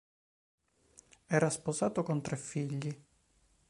Era sposato con tre figli.